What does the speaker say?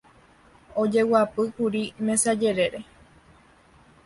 ojeguapýkuri mesa jerére